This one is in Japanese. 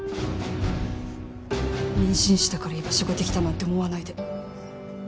妊娠したから居場所ができたなんて思わないで。